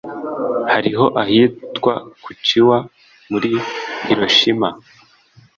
Hariho ahitwa Kuchiwa muri Hiroshima.